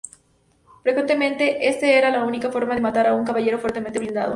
Frecuentemente esta era la única forma de matar a un caballero fuertemente blindado.